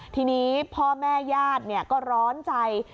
ทีนี้พ่อแม่ญาติก็ร้อนใจ